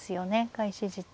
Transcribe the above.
開始時と。